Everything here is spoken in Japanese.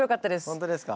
本当ですか？